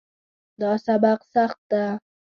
دا سبق سخت ده